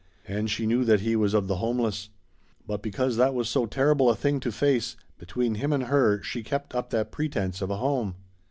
And she knew that he was of the homeless. But because that was so terrible a thing to face, between him and her she kept up that pretense of a home.